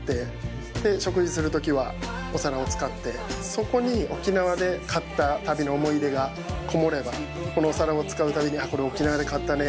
そこに沖縄で買った旅の思い出がこもればこのお皿を使うたびに「あっこれ沖縄で買ったね」